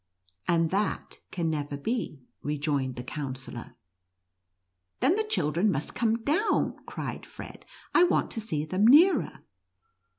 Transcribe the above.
" And that can never be," rejoined the Counsellor. "Then the children must come down," cried Fred, " I want to see them nearer."